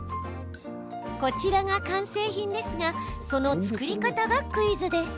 こちらが完成品ですがその作り方がクイズです。